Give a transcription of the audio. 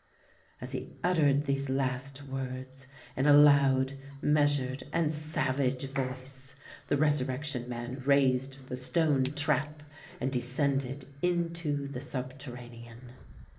As he uttered these last words in a loud, measured, and savage voice, the Resurrection Man raised the stone trap, and descended into the subterranean.